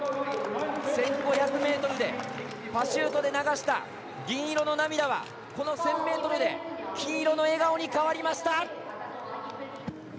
１５００ｍでパシュートで流した銀色の涙は、この１０００ｍで金色の笑顔に変わりました。